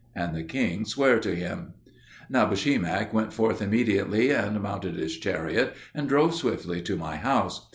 And the king sware to him. Nabushemak went forth immediately and mounted his chariot, and drove swiftly to my house.